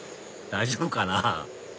大丈夫かな？